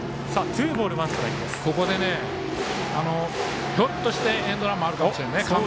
ここでひょっとしてエンドランもあるかもしれません。